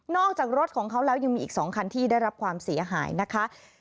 จากรถของเขาแล้วยังมีอีก๒คันที่ได้รับความเสียหายนะคะ